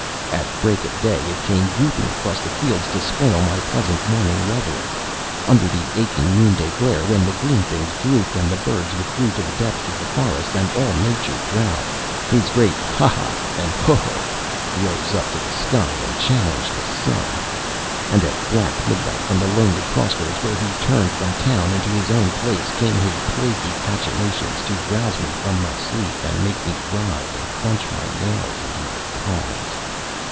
At break of day it came whooping across the fields to spoil my pleasant morning revery. Under the aching noonday glare, when the green things drooped and the birds withdrew to the depths of the forest, and all nature drowsed, his great "Ha! ha!" and "Ho! ho!" rose up to the sky and challenged the sun. And at black midnight, from the lonely cross roads where he turned from town into his own place, came his plaguey cachinnations to rouse me from my sleep and make me writhe and clench my nails into my palms.